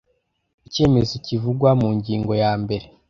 Icyemezo kivugwa mu ngingo ya mbere